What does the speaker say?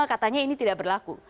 katanya ini tidak berlaku